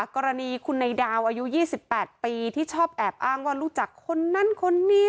กรณีคุณในดาวอายุ๒๘ปีที่ชอบแอบอ้างว่ารู้จักคนนั้นคนนี้